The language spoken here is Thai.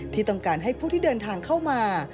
ที่ต้องการให้ผู้ที่เดินทางเข้ามา